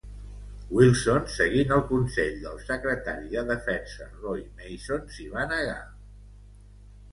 Wilson, seguint el consell del secretari de defensa, Roy Mason, s'hi va negar.